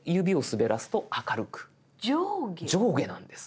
上下なんです。